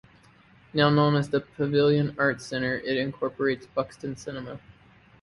Now known as The Pavilion Arts Centre it incorporates Buxton Cinema.